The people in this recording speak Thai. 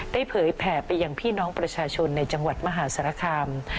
เผยแผ่ไปยังพี่น้องประชาชนในจังหวัดมหาสารคาม